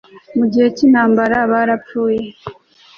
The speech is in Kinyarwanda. mu gihe cy intambara barapfuye